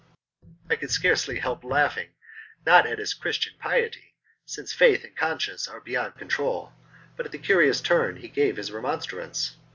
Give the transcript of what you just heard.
I could scarcely help laughing, not at his Christian piety, since faith and conscience are beyond control, but at the curious turn he gave his remonstrance.